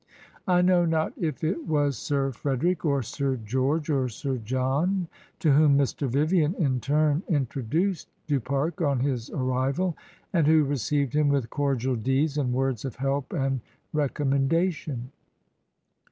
I know not if it was Sir Frederick, or Sir George, or Sir John to whom Mr. Vivian in turn introduced Du Pare on his arrival, and who received him with cordial deeds and words of help and recommendation.